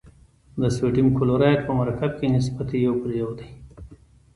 د سوډیم کلورایډ په مرکب کې نسبت یو پر یو دی.